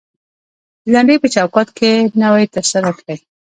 د لنډۍ په چوکات کې نوى تر سره کړى.